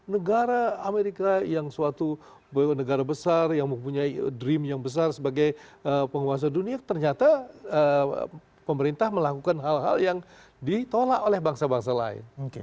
negara amerika yang suatu negara besar yang mempunyai dream yang besar sebagai penguasa dunia ternyata pemerintah melakukan hal hal yang ditolak oleh bangsa bangsa lain